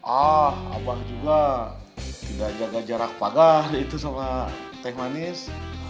ah abah juga tidak jaga jarak pagah itu sama teh manis